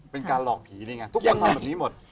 เป็นการหลอกผีนี่ไงทุกคนทำแบบนี้หมด